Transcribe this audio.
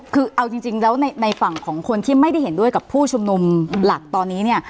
คือเอาจริงแล้วในฝั่งของคนที่ไม่ได้เห็นด้วยกับผู้ชุมนุมหลักตอนนี้เนี่ย